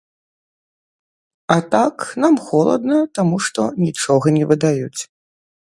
А так, нам холадна, таму што нічога не выдаюць.